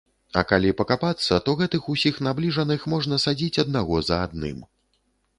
А калі пакапацца, то гэтых усіх набліжаных можна садзіць аднаго за адным.